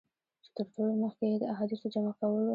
چي تر ټولو مخکي یې د احادیثو جمع کولو.